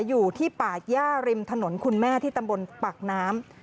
อยู่ที่ป่าย่าริมถนนคุณแม่ที่ตำบลปากน้ำ